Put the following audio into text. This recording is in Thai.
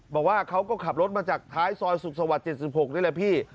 บอกว่าเขาก็ขับรถมาจากท้ายซอยสุขสวรรค์เจ็ดสิบสิบหกนี่แหละพี่